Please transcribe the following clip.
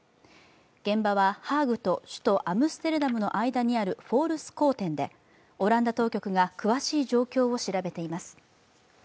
現場は、ハーグと首都アムステルダムの間にあるフォールスコーテンでオランダ当局が詳しい状況を調べています。